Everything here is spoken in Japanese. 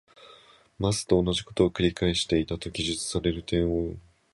ます。」とおなじことを「くり返していた。」と記述している点を、追いかけてくる婆さんを一町ほど行っては